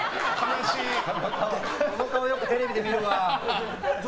その顔よくテレビで見るわ。